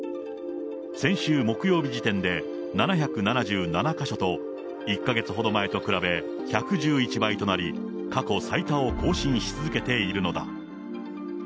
先週木曜日時点で７７７か所と、１か月ほど前と比べ、１１１倍となり、過去最多を更新し続けているのだ。